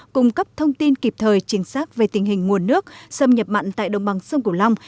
cung cấp thông tin kịp thời chính xác về tình hình nguồn nước xâm nhập mặn tại đồng bằng sông cửu long